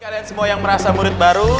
kalian semua yang merasa murid baru